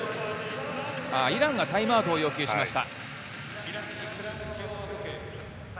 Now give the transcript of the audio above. イランがタイムアウトを要求しました。